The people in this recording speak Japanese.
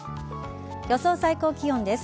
予想最高気温です。